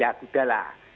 ya udah lah